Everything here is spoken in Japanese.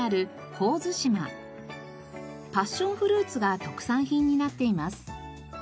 パッションフルーツが特産品になっています。